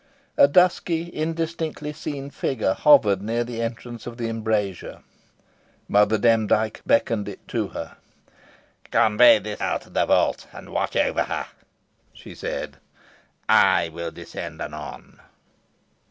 A dusky indistinctly seen figure hovered near the entrance of the embrasure. Mother Demdike beckoned it to her. "Convey this girl to the vault, and watch over her," she said. "I will descend anon."